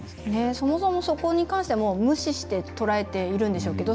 そもそも、そこに関しては無視して捉えているんでしょうけど。